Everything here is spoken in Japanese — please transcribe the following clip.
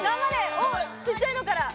おっちっちゃいのから！